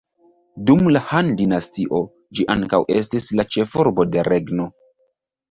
Dum la Han-dinastio ĝi ankaŭ estis la ĉefurbo de regno.